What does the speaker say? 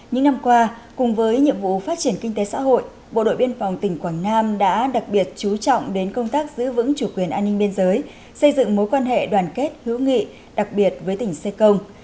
những năm qua cùng với nhiệm vụ phát triển kinh tế xã hội bộ đội biên phòng tỉnh quảng nam đã đặc biệt chú trọng đến công tác giữ vững chủ quyền an ninh biên giới xây dựng mối quan hệ đoàn kết hữu nghị đặc biệt với tỉnh sê công